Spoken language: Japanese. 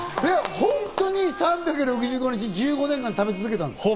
本当に３６５日１５年間食べ続けたんですか？